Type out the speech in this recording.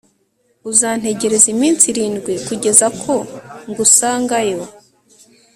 uzantegereza iminsi irindwi kugeza ko ngusangayo